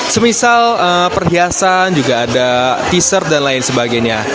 semisal perhiasan juga ada t shirt dan lain sebagainya